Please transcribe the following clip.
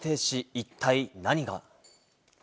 一体何が？